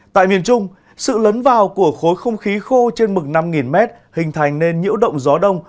tại miền trung sự lấn vào của khối không khí khô trên mực năm m hình thành nên nhiễu động gió đông